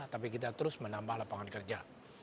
tapi kita terus menambah lapangan kerja